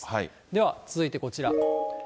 では続いてこちら。